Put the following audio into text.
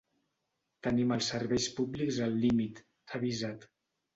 Tenim els serveis públics al límit, ha avisat.